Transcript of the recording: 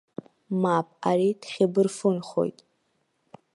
Мап, ари дхьыбырфынхоит.